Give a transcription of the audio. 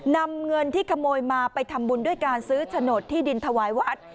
นำเงินที่ขโมยมาไปทำบุญด้วยการซื้อโฉนดที่ดินถวายวัด